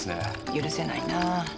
許せないな。